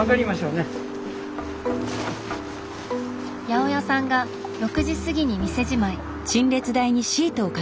八百屋さんが６時過ぎに店じまい。